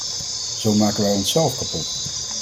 Zo maken wij onszelf kapot.